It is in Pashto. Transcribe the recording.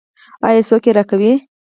آیا څوک یې راکوي؟